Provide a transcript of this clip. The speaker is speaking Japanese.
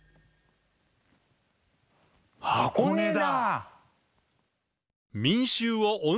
箱根だ！